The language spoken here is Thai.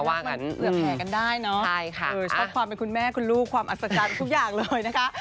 ว่ามันเผื่อแผลกันได้เนอะชอบความเป็นคุณแม่คุณลูกความอัศจรรย์ทุกอย่างเลยนะคะ